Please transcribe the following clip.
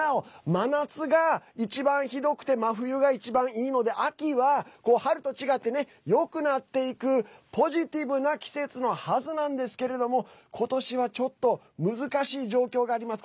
真夏が一番ひどくて真冬が一番いいので秋は春と違って、よくなっていくポジティブな季節のはずなんですけれども今年はちょっと難しい状況があります。